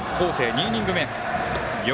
２イニング目。